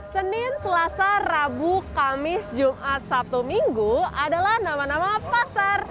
senin selasa rabu kamis jumat sabtu minggu adalah nama nama pasar